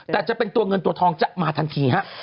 แต่จะเป็นตัวเงินตัวทองจะมาทันทีฮะ